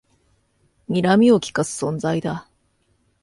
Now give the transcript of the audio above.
にらみをきかす存在だ